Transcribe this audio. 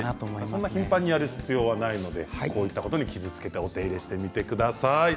そんなに頻繁にやる必要はないのでこういったことに気をつけてお手入れしてみてください。